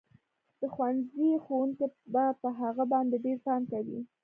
د ښوونځي ښوونکي به په هغه باندې ډېر پام کوي